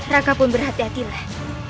raka pun berhati hatilah